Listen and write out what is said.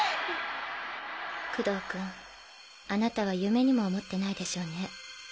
工藤君あなたは夢にも思ってないでしょうね